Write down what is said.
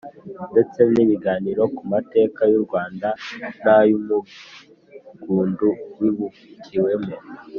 ndetse n ibiganiro ku mateka y u Rwanda n ay Umudugudu wibukiwemo